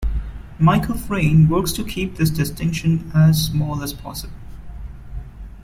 Michael Frayn works to keep this distinction as small as possible.